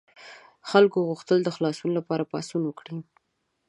خلکو غوښتل د خلاصون لپاره پاڅون وکړي.